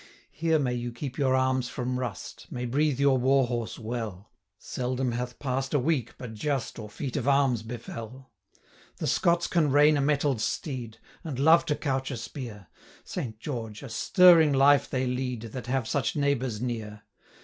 Here may you keep your arms from rust, May breathe your war horse well; Seldom hath pass'd a week but giust Or feat of arms befell: 220 The Scots can rein a mettled steed; And love to couch a spear: Saint George! a stirring life they lead, That have such neighbours near.